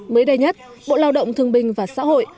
mới đây nhất bộ lao động thương binh và xã hội